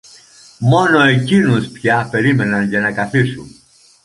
Μόνο εκείνους πια περίμεναν για να καθίσουν.